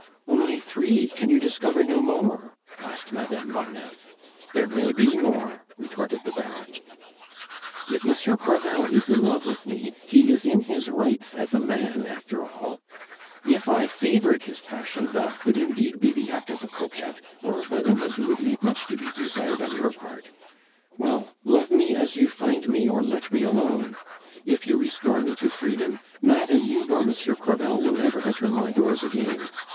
"Only three! Can you discover no more?" asked Madame Marneffe. "There may be more!" retorted the Baron. "If Monsieur Crevel is in love with me, he is in his rights as a man after all; if I favored his passion, that would indeed be the act of a coquette, or of a woman who would leave much to be desired on your part. Well, love me as you find me, or let me alone. If you restore me to freedom, neither you nor Monsieur Crevel will ever enter my doors again.